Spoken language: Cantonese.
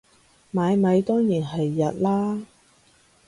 買米當然係入喇